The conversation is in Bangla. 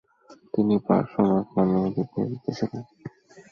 তিনি ‘পার্শ্বনাথ’ নামেই অধিক পরিচিত ছিলেন।